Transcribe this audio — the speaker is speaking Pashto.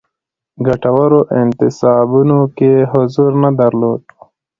ګټورو انتصابونو کې حضور نه درلود.